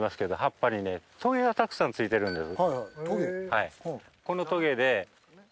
はい。